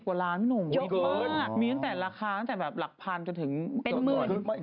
ยกมากมีตั้งแต่ละคาตั้งแต่แบบหลักพันจนถึงเป็นหมื่น